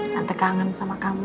tante kangen sama kamu